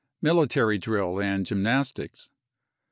Military drill and gymnastics.